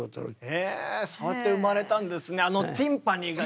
えぇそうやって生まれたんですね。